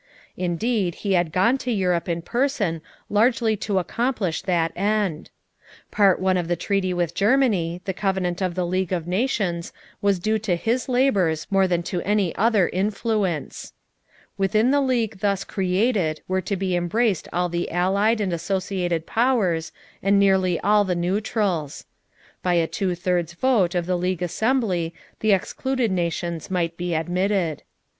Indeed he had gone to Europe in person largely to accomplish that end. Part One of the treaty with Germany, the Covenant of the League of Nations, was due to his labors more than to any other influence. Within the League thus created were to be embraced all the Allied and Associated Powers and nearly all the neutrals. By a two thirds vote of the League Assembly the excluded nations might be admitted.